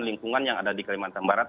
lingkungan yang ada di kalimantan barat